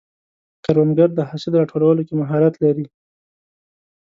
کروندګر د حاصل راټولولو کې مهارت لري